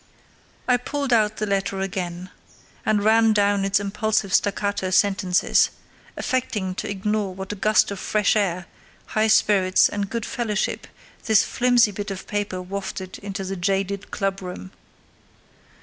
I pulled out the letter again, and ran down its impulsive staccato sentences, affecting to ignore what a gust of fresh air, high spirits, and good fellowship this flimsy bit of paper wafted into the jaded club room.